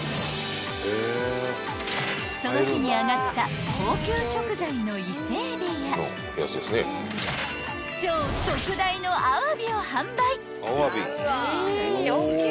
［その日に揚がった高級食材の伊勢海老や超特大のアワビを販売］